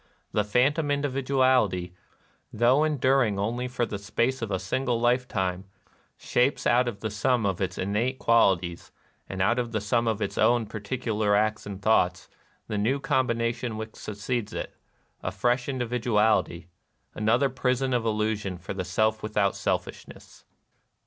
The phantom individuality, though enduring only for the space of a single life time, shapes out of the sum of its innate qual ities, and out of the sum of its own particu lar acts and thoughts, the new combination which succeeds it, — a fresh individuality, — another prison of illusion for the Self without selfishness.